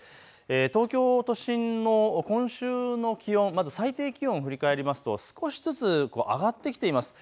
東京の都心の今週の気温、まず最低気温を振り返りますと少しずつ上がってきています。